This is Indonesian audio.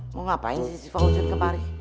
mau ngapain sih si fauzul kemari